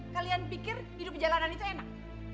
kalian pikir hidup di jalanan itu enak